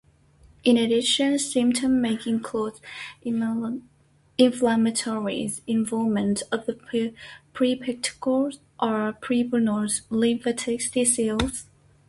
In addition, symptoms may include inflammatory involvement of the perirectal or perianal lymphatic tissues.